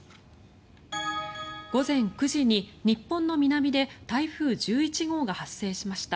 午前９時に日本の南で台風１１号が発生しました。